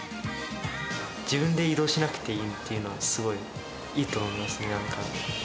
自分で移動しなくていいっていうのは、すごいいいと思います、なんか。